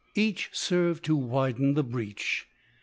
Each served to widen the breach.